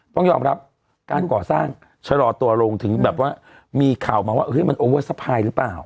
ต้องยอมรับการก่อสร้างชะลอตัวลงถึงแบบว่ามีข่าวมาว่ามันโอเวอร์สะพายหรือเปล่า